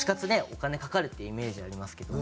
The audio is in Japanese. お金かかるっていうイメージありますけど